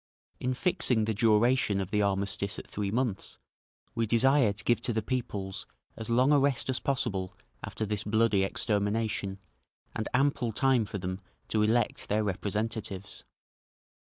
In fixing the duration of the armistice at three months, we desire to give to the peoples as long a rest as possible after this bloody extermination, and ample time for them to elect their representatives.